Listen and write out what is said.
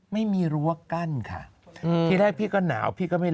ไม่มีรั้วกั้นค่ะ